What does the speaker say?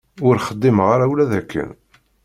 Ur xdimeɣ ara ula d akken.